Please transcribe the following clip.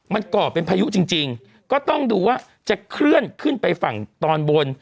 มันก่อเป็นพายุจริงก็ต้องดูว่าจะเคลื่อนขึ้นไปฝั่งตอนบน